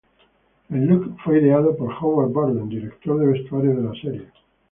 El "look" fue ideado por Howard Burden, director de vestuario de la serie.